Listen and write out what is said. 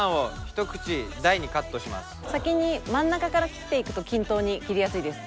先に真ん中から切っていくと均等に切りやすいです。